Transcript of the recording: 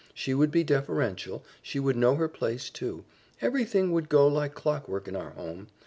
She would be deferential, she would know her place, too. Everything would go like clockwork in our home.